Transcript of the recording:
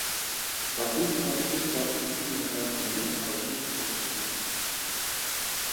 Սա ֆիլմն այս կերպ վարձույթի ներկայացնելու առաջին փորձն էր։